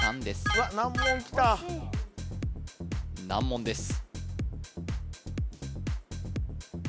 うわっ難問きた難問です